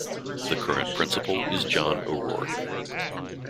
The current principal is John O'Rourke.